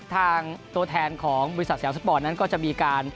ตัวแทนของบริษัทสยามสปอร์ตนั้นก็จะมีการ